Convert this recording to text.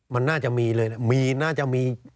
มันน่าจะมีเลยนะมีน่าจะมี